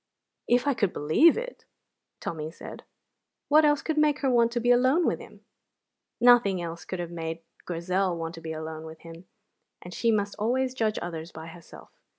"If I could believe it!" Tommy said. "What else could make her want to be alone with him?" Nothing else could have made Grizel want to be alone with him, and she must always judge others by herself.